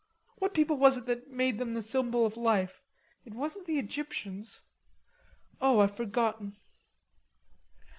What people was it that made them the symbol of life? It wasn't the Egyptians. O, I've forgotten."